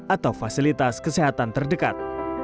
atau fasilitas kesehatan terdekat